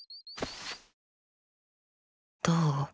どう？